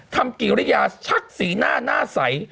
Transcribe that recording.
กิริยาชักสีหน้าหน้าใส